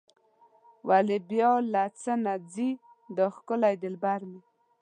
ولې بیا له څه نه ځي دا ښکلی دلبر مې.